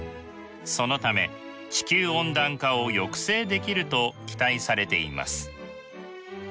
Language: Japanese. そのため地球温暖化を抑制できると期待されています。